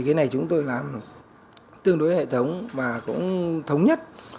cái này chúng tôi làm tương đối hệ thống và cũng thống nhất